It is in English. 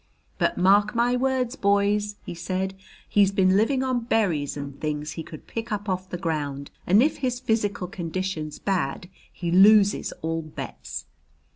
But mark my words, boys,' he said, 'he's been living on berries and things he could pick up off the ground, and if his physical condition's bad he loses all bets!"